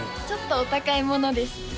ちょっとお高いものです